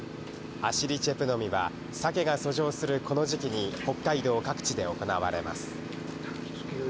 アシリ・チェプ・ノミはサケが遡上するこの時期に、北海道各地で行われます。